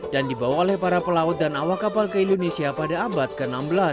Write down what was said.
dibawa oleh para pelaut dan awak kapal ke indonesia pada abad ke enam belas